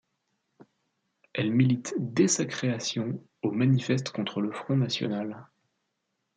Elle milite dès sa création au Manifeste contre le Front national.